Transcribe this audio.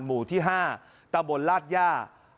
หมู่ที่๕ตะบนลาดย่า